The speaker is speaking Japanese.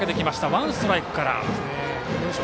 ワンストライクからでした。